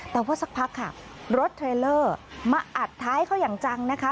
แต่ว่าสักพักค่ะรถเทรลเลอร์มาอัดท้ายเขาอย่างจังนะคะ